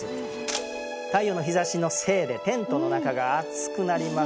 太陽の日ざしのせいでテントの中が暑くなります。